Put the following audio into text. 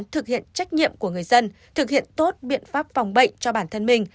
trách nhiệm của người dân thực hiện tốt biện pháp phòng bệnh cho bản thân mình